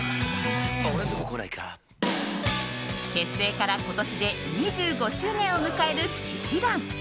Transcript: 結成から今年で２５周年を迎える氣志團。